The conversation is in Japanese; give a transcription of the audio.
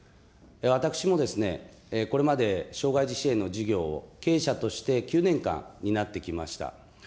私もこれまで障害児支援の事業を経営者として９年間担ってきました。